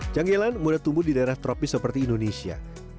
canggilan mudah tumbuh di daerah tropis seperti indonesia